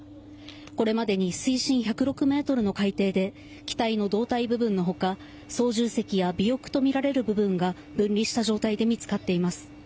これまでに水深１０６ｍの海底で機体の胴体部分の他操縦席や尾翼とみられる部分が分離した状態で見つかっています。